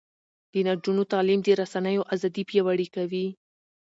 د نجونو تعلیم د رسنیو ازادي پیاوړې کوي.